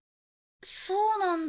そうなんだ。